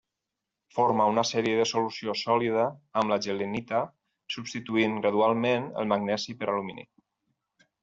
Forma una sèrie de solució sòlida amb la Gehlenita, substituint gradualment el magnesi per alumini.